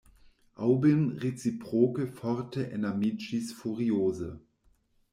Aŭbyn reciproke forte enamiĝis, furioze.